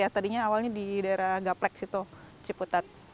tadinya awalnya di daerah gaplek situ ciputat